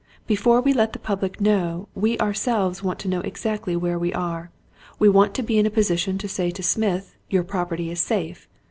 Before we let the public know, we ourselves want to know exactly where we are. We want to be in a position to say to Smith, 'Your property is safe!'